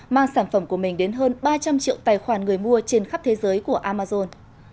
mang sản phẩm của mình đến hơn ba trăm linh triệu tài khoản người mua trên khắp thế giới của amazon